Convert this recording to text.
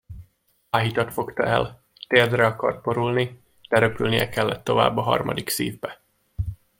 Áhítat fogta el, térdre akart borulni, de röpülnie kellett tovább, a harmadik szívbe.